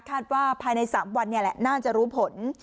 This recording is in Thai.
คาดว่าภายใน๓วันน่าจะรู้ผล